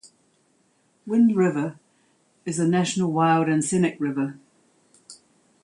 Wind River is a National Wild and Scenic River.